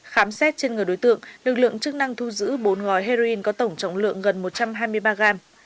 khám xét trên người đối tượng lực lượng chức năng thu giữ bốn gói heroin có tổng trọng lượng gần một trăm hai mươi ba gram